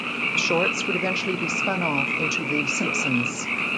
The shorts would eventually be spun off into "The Simpsons".